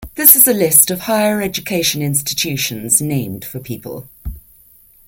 This is a list of higher education institutions named for people.